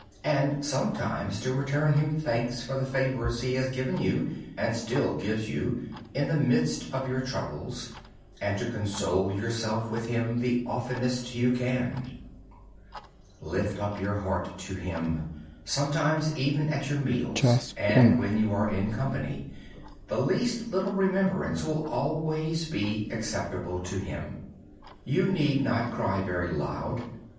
And sometimes to return Him thanks for the favors He has given you, and still gives you, in the midst of your troubles. Console yourself with Him the oftenest you can. Lift up your heart to Him at your meals and when you are in company. The least little remembrance will always be pleasing to Him. You need not cry very loud.